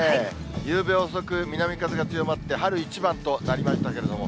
ゆうべ遅く、南風が強まって、春一番となりましたけれども。